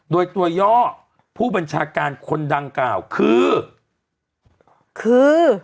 โดยตัวย่อผู้บัญชาการคนดังกล่าวคือคือ